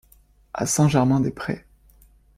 À saint-Germain-des-Prés.